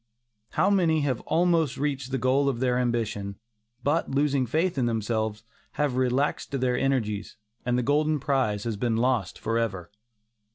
How many have almost reached the goal of their ambition, but losing faith in themselves have relaxed their energies, and the golden prize has been lost forever.